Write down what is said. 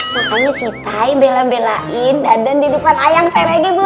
makanya si tai bela belain dandan di depan ayang serege bobo